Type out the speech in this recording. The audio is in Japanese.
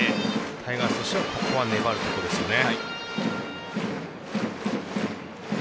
タイガースとしてはここは粘るべきですね。